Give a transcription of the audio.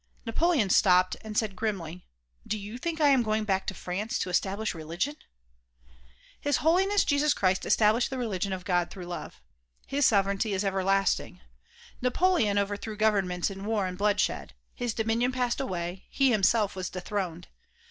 Napoleon stopped and said grimly "Do you think I am going back to France to establish religion ?'' His Holiness Jesus Christ established the religion of God through love. His sovereignty is everlasting. Napoleon overthrew governments in war and bloodshed. His dominion passed away ; he himself was dethroned.